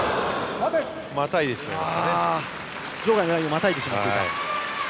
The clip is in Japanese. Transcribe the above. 場外ラインをまたいでしまいましたね。